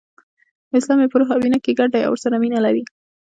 اسلام یې په روح او وینه کې ګډ دی او ورسره مینه لري.